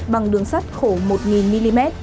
bằng đường sắt khổ một nghìn mm